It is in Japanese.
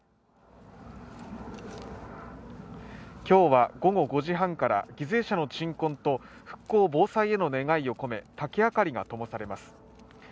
今日は午後５時半から犠牲者の鎮魂と復興防災への願いを込め竹明かりが灯されます